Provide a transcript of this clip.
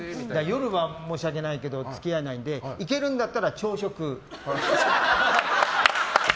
夜は申し訳ないけど付き合えないので行けるんだったら朝食。